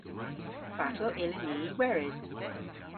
Fatel yllyn ni y weres?